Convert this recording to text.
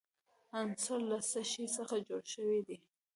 عنصر له څه شي څخه جوړ شوی دی.